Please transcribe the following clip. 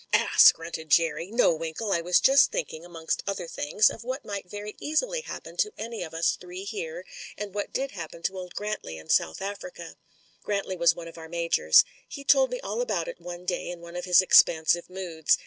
"Ass!" grunted Jerry. "No, Winkle, I was just thinking, amongst other things, of what might very easily happen to any of us three here, and what did happen to old Grantley in South Africa." Grantley was one of our majors. "He told me all about it one day in one of his expansive moods.